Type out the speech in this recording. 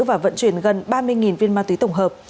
và vận chuyển gần ba mươi viên ma túy tổng hợp